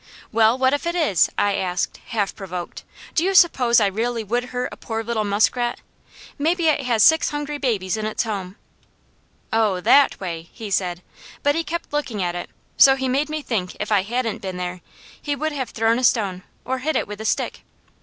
"Well, what if it is?" I asked, half provoked. "Do you suppose I really would hurt a poor little muskrat? Maybe it has six hungry babies in its home." "Oh THAT way," he said, but he kept looking at it, so he made me think if I hadn't been there, he would have thrown a stone or hit it with a stick.